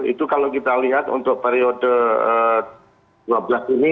itu kalau kita lihat untuk periode dua belas ini